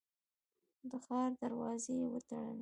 د ښار دروازې یې وتړلې.